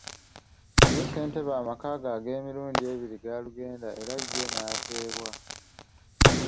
Ye Ssentebe amaka ge ag'emirundi ebiri gaalugenda era ye n'ateebwa.